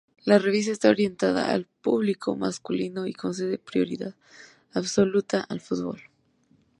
La revista está orientada al público masculino y concede prioridad absoluta al fútbol.